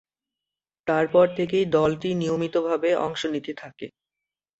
তারপর থেকেই দলটি নিয়মিতভাবে অংশ নিতে থাকে।